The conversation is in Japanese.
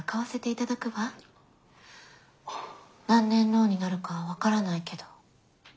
何年ローンになるか分からないけど。